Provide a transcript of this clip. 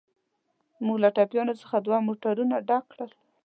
موږ له ټپیانو څخه دوه موټرونه ډک کړل.